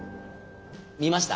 見ました？